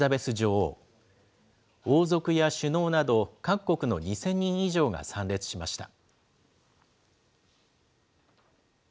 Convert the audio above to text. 王族や首脳など、各国の２０００人以上が参列しました。